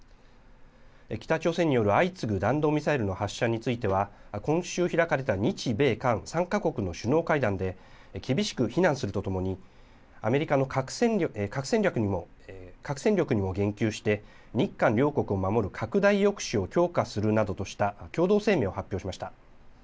北朝鮮による相次ぐ弾道ミサイルの発射については、今週開かれた日米韓３か国の首脳会談で、厳しく非難するとともに、アメリカの核戦力にも言及して、日韓両国を守る拡大抑止を強化するなどとした共同声明を発表しました。